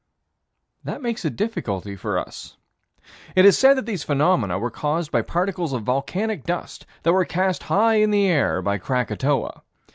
That makes a difficulty for us. It is said that these phenomena were caused by particles of volcanic dust that were cast high in the air by Krakatoa.